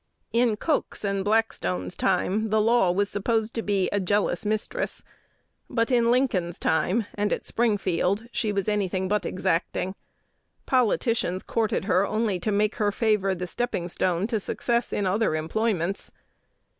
In Coke's and Blackstone's time the law was supposed to be "a jealous mistress;" but in Lincoln's time, and at Springfield, she was any thing but exacting. Politicians courted her only to make her favor the stepping stone to success in other employments.